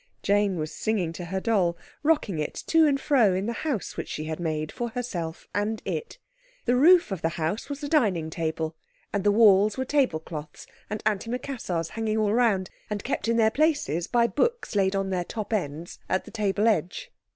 Jane was singing to her doll, rocking it to and fro in the house which she had made for herself and it. The roof of the house was the dining table, and the walls were tablecloths and antimacassars hanging all round, and kept in their places by books laid on their top ends at the table edge.